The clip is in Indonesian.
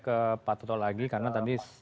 ke pak toto lagi karena tadi